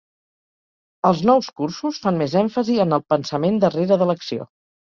Els nous cursos fan més èmfasi en el "pensament darrere de l'acció".